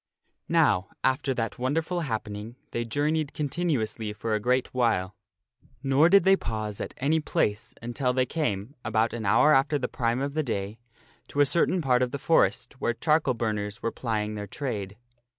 NOW, after that wonderful happening, they journeyed continu ously for a great while. Nor did they pause at any place until they came, about an hour after the prime of the day, to a cer tain part of the forest where charcoal burners were plying their trade.